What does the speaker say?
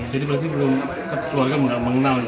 jadi berarti keluarga belum mengenal